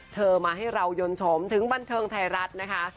เธอมาให้เรายนต์ชมถึงบันเทิงไทยรัฐนะคะ